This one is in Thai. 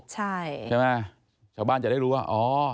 ใช่ใช่ไหมชาวบ้านจะได้รู้ว่า